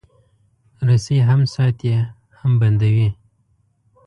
رسۍ هم ساتي، هم بندوي.